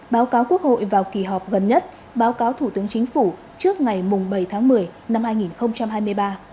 báo cáo quốc hội vào kỳ họp gần nhất báo cáo thủ tướng chính phủ trước ngày bảy tháng một mươi năm hai nghìn hai mươi ba